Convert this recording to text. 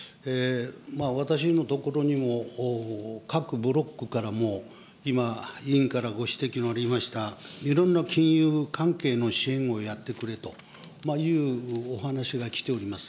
私のところにも、各ブロックからも、今、委員からご指摘のありました、いろんな金融関係の支援をやってくれというお話が来ております。